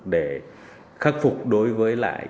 để khắc phục đối với lại